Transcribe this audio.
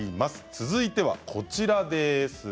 続いては、こちらです。